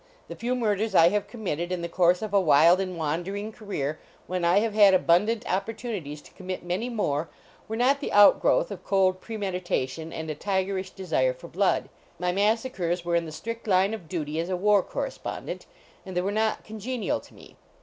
The few murders I have committed, in the course of a wild and wandering career, when I have had abundant opportunities to commit many more, were not the outgrowth of cold premeditation and a tigerish desire for blood. My massacres were in the strict line of duty as a war correspondent, and they were not congenial to me.